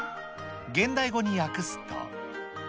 現代語に訳すと。